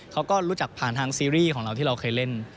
เขาก็รู้จักผ่านทางซีรีส์ของเราที่เราเคยเล่น